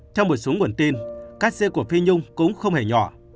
theo một số nguồn tin cắt xe của phi nhung cũng không hề nhỏ